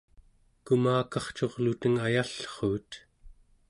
kumakarcurluteng ayallruut